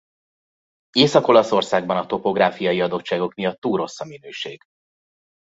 Észak-Olaszországban a topográfiai adottságok miatt túl rossz a minőség.